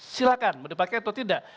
silahkan mau dipakai atau tidak